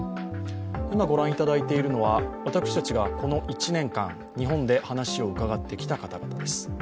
今ご覧いただいているのは私たちがこの１年間、日本で話を伺ってきた方々です。